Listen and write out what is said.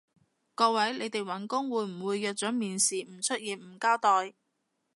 各位，你哋搵工會唔會約咗面試唔出現唔交代？